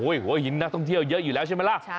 หัวหินนักท่องเที่ยวเยอะอยู่แล้วใช่ไหมล่ะ